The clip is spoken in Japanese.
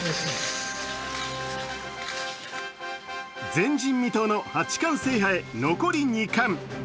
前人未到の８冠制覇へ、残り２冠。